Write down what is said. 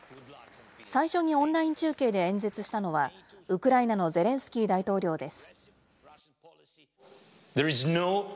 最初にオンライン中継で演説したのは、ウクライナのゼレンスキー大統領です。